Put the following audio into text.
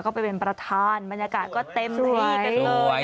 ก็เป็นประธานบรรยากาศก็เต็มที่